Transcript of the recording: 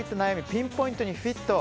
ピンポイントにフィット。